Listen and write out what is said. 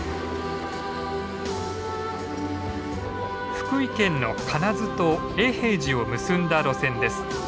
福井県の金津と永平寺を結んだ路線です。